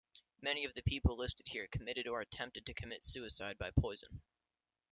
Many of the people listed here committed or attempted to commit suicide by poison.